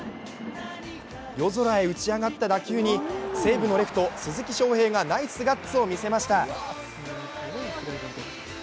夜空へ打ち上がった打球に西武のレフト・鈴木将平がナイスなガッツを見せました。